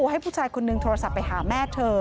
ให้ผู้ชายคนนึงโทรศัพท์ไปหาแม่เธอ